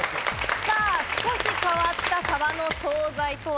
少し変わったサバの総菜とは？